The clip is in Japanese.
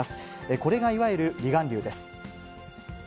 これがいわゆる離岸流です。